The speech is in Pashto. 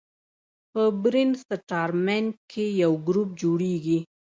په برین سټارمینګ کې یو ګروپ جوړیږي.